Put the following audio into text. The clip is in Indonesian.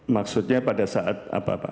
maksudnya pada saat apa pak